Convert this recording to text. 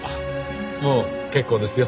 もう結構ですよ。